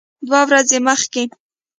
دوه ورځې مخکې